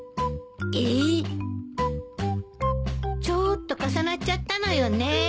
ちょっと重なっちゃったのよね。